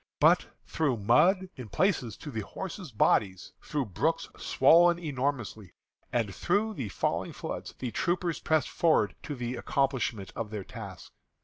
But through mud, in places to the horses' bodies; through brooks swollen enormously, and through the falling floods, the troopers pressed forward to the accomplishment of their task.